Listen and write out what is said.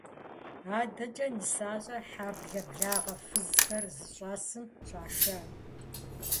АдэкӀэ нысащӀэр хьэблэ, благъэ фызхэр зыщӀэсым щӀашэ.